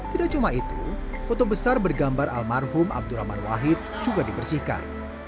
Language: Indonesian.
tidak cuma itu foto besar bergambar almarhum abdurrahman wahid juga dibersihkan